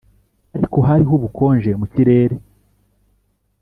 ariko hariho ubukonje mu kirere